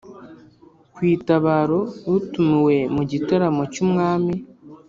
kwitabaro utumiwe mugitaramo cyumwami